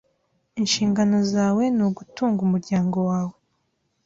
Inshingano zawe ni ugutunga umuryango wawe .